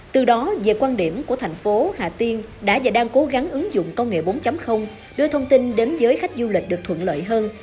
từ đó về quan điểm của thành phố hà tiên đã và đang cố gắng ứng dụng công nghệ bốn đưa thông tin đến giới khách du lịch được thuận lợi hơn